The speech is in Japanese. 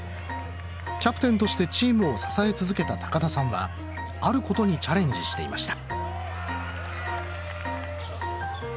キャプテンとしてチームを支え続けた田さんはあることにチャレンジしていました